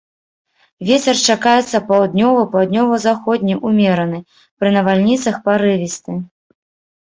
Вецер чакаецца паўднёвы, паўднёва-заходні ўмераны, пры навальніцах парывісты.